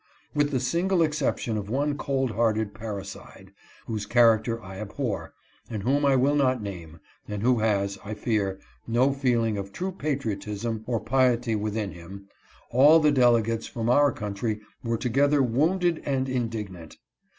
With the single exception of one cold hearted parricide, whose character I abhor, and whom I will not name, and who has, I fear, no feeling of true patriotism or piety with ■ HIS STRICTURES ON DOUGLASS. 307 in him, all the delegates from our country were together wounded and indignant.